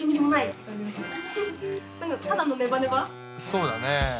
そうだね。